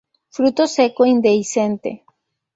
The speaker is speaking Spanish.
Fruto seco, indehiscente.